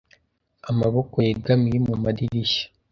amabokoyegamiye mumadirishya?